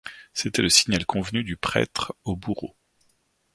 C’était le signal convenu du prêtre au bourreau.